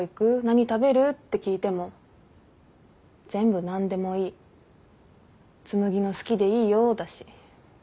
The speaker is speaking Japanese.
何食べる？って聞いても全部「何でもいい紬の好きでいいよ」だし。